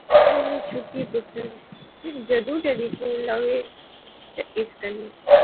پہلے چٹھی پتر، فیر جدوں ٹیلیفون لاغے تے اس کنے